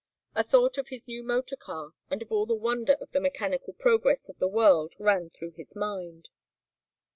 A thought of his new motor car and of all of the wonder of the mechanical progress of the world ran through his mind.